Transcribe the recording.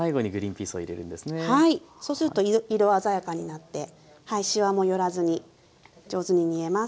そうすると色鮮やかになってしわも寄らずに上手に煮えます。